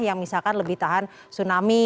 yang misalkan lebih tahan tsunami